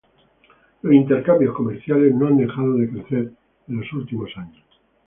Los intercambios comerciales no han dejado de crecer en los últimos años.